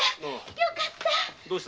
よかった。